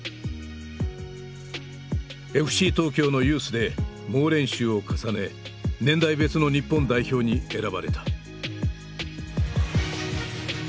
ＦＣ東京のユースで猛練習を重ね年代別の日本代表に選ばれた。